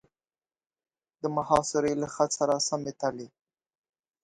د محاصرې له خط سره سمې تلې.